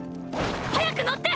早く乗って！！